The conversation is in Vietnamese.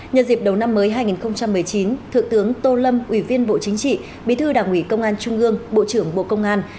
nhân dịp đầu năm mới hai nghìn một mươi chín thượng tướng tô lâm ủy viên bộ chính trị bí thư đảng ủy công an trung ương bộ trưởng bộ công an